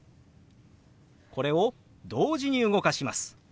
これを同時に動かします。